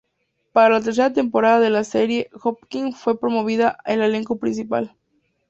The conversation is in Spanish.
Para la tercera temporada de la serie, Hopkins fue promovida al elenco principal.